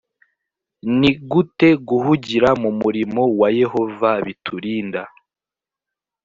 ni gute guhugira mu murimo wa yehova biturinda